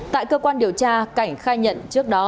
tại cơ quan điều tra cảnh khai nhận trước đó